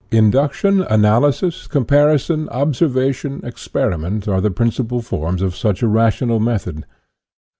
In duction, analysis, comparison, observation, ex periment, are the principal forms of such a ra tional method.